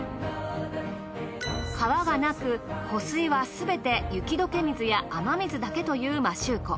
川がなく湖水はすべて雪解け水や雨水だけという摩周湖。